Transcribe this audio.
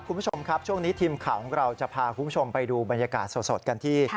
คุณผู้ชมครับช่วงนี้ทีมข่าวของเราจะพาคุณผู้ชมไปดูบรรยากาศสดกันที่